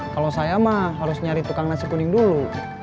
kalau saya mah harus nyari tukang nasi kuning dulu